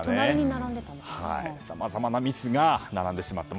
さまざまなミスが並んでしまった。